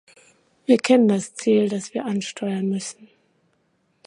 Wir kennen das Ziel, das wir ansteuern müssen.